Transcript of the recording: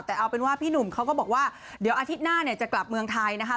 แต่เอาเป็นว่าพี่หนุ่มเขาก็บอกว่าเดี๋ยวอาทิตย์หน้าเนี่ยจะกลับเมืองไทยนะคะ